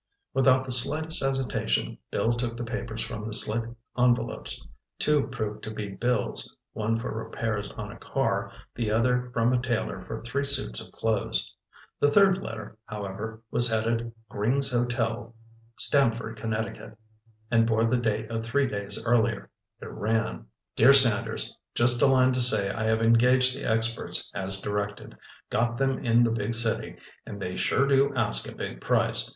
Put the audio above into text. Without the slightest hesitation, Bill took the papers from the slit envelopes. Two proved to be bills; one for repairs on a car, the other from a tailor for three suits of clothes. The third letter, however, was headed "Gring's Hotel, Stamford, Conn.," and bore the date of three days earlier. It ran— "Dear Sanders—Just a line to say I have engaged the experts as directed. Got them in the big city and they sure do ask a big price.